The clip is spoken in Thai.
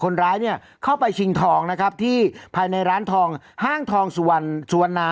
คนร้ายเนี่ยเข้าไปชิงทองนะครับที่ภายในร้านทองห้างทองสุวรรณสุวรรณา